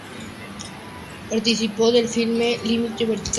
Participó del filme "Límite vertical".